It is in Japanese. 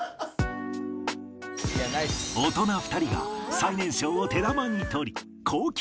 大人２人が最年少を手玉に取り高級